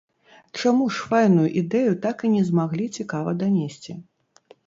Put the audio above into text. Чаму ж файную ідэю так і не змаглі цікава данесці?